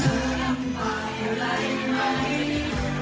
จากประธานสโมงศรอย่างมดรแป้งคุณดนทันร่ำ๓ครับ